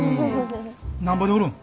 なんぼで売るん？